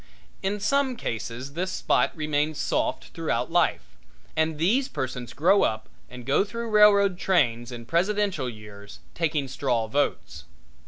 In some cases this spot remains soft throughout life, and these persons grow up and go through railroad trains in presidential years taking straw votes.